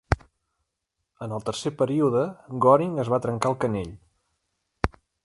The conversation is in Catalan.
En el tercer període, Goring es va trencar el canell.